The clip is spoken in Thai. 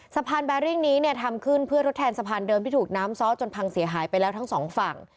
แบริ่งนี้เนี่ยทำขึ้นเพื่อทดแทนสะพานเดิมที่ถูกน้ำซ้อจนพังเสียหายไปแล้วทั้งสองฝั่ง